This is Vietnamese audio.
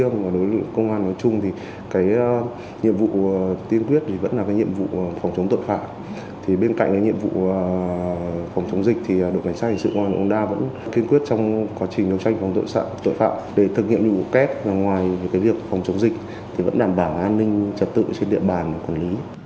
ngoài việc phòng chống dịch thì vẫn đảm bảo an ninh trật tự trên địa bàn quản lý